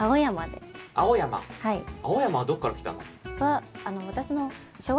青山はどこから来たの？